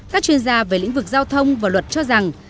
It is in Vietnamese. các chuyên gia về lĩnh vực giao thông và luật cho rằng